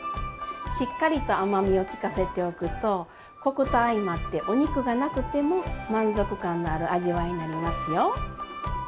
しっかりと甘みをきかせておくとコクと相まってお肉がなくても満足感のある味わいになりますよ。